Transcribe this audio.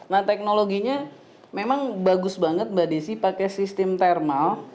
nah teknologinya memang bagus banget mbak desi pakai sistem thermal